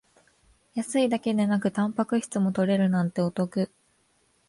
安いだけでなくタンパク質も取れるなんてお得